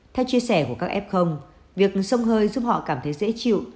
theo chia sẻ của các f việc sông hơi giúp họ cảm thấy dễ chịu